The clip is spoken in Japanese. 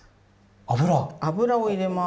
油⁉油を入れます。